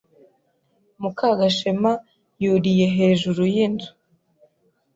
Mukagashema yuriye hejuru yinzu.